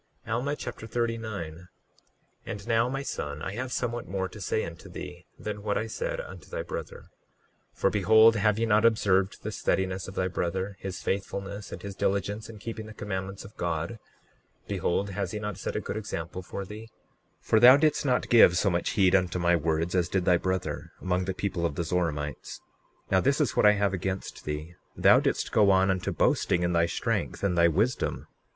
Alma Chapter 39 39:1 And now, my son, I have somewhat more to say unto thee than what I said unto thy brother; for behold, have ye not observed the steadiness of thy brother, his faithfulness, and his diligence in keeping the commandments of God? Behold, has he not set a good example for thee? 39:2 For thou didst not give so much heed unto my words as did thy brother, among the people of the Zoramites. Now this is what I have against thee; thou didst go on unto boasting in thy strength and thy wisdom.